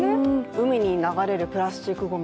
海に流れるプラスチックごみ